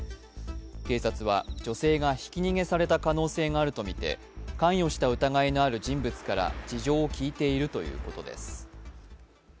警察は女性がひき逃げされた可能性があるとみて、関与した疑いのある人物から事情を聴いているということです。